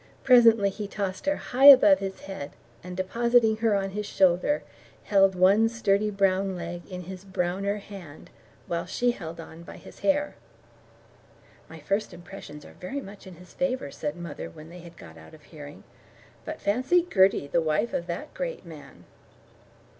Presently he tossed her high above his head, and depositing her upon his shoulder, held one sturdy brown leg in his browner hand, while she held on by his hair. "My first impressions are very much in his favour," said mother, when they had got out of hearing. "But fancy Gertie the wife of that great man!"